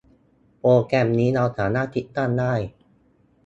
โปรแกรมนี้ เราสามารถติดตั้งได้